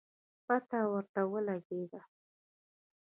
پته ورته ولګېده